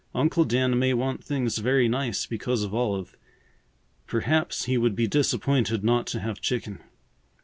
"Uncle Dan may want things very nice because of Olive. Perhaps he would be disappointed not to have chicken.